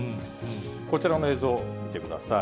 こちらの映像、見てください。